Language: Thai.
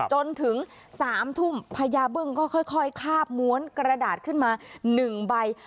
จนถึง๓ทุ่มพญาบึ้งก็ค่อยคาบม้วนกระดาษขึ้นมา๑ใบ